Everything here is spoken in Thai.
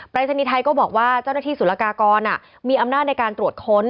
รายศนีย์ไทยก็บอกว่าเจ้าหน้าที่สุรกากรมีอำนาจในการตรวจค้น